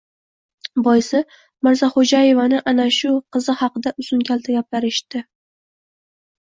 Boisi, Mirzaxo‘jaevani ana shu kizi haqida uzun-kalta gaplar eshitdi.